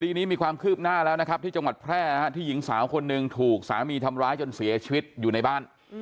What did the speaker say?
คดีนี้มีความคืบหน้าแล้วนะครับที่จังหวัดแพร่ที่หญิงสาวคนหนึ่งถูกสามีทำร้ายจนเสียชีวิตอยู่ในบ้าน